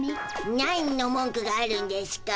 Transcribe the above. なんの文句があるんでしゅか。